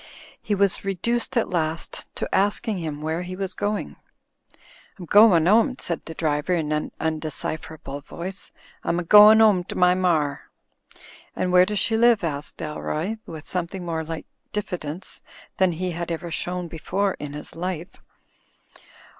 He was reduced at last to asking him where he was going. "Fm goin' 'ome/' said the driver in an imdecipher able voice. "I'm a goin' 'ome to my mar." "And where does she live?" asked Dalroy, with something more like diffidence than he had ever shown before in his life.